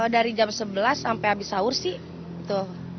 dari jam sebelas sampai habis sahur sih gitu